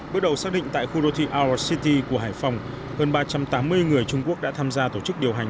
bước đầu xác định tại khu đô thị our city của hải phòng hơn ba trăm tám mươi người trung quốc đã tham gia tổ chức điều hành